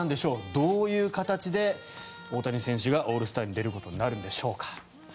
どういう形で大谷選手がオールスターに出ることになるんでしょうか。